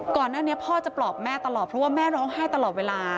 ก่อนหน้านี้พ่อจะปลอบแม่ตลอดเพราะว่าแม่ร้องไห้ตลอดเวลา